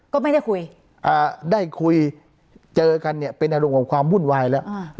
ก็ไม่ได้คุยได้คุยเจอกันเนี่ยเป็นอารมณ์ของความวุ่นวายแล้ว